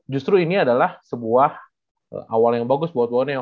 justru ini adalah sebuah awal yang bagus buat boneo